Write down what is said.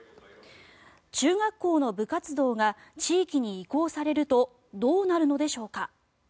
中学校の部活動が地域に移行されるとどうなるのでしょうか。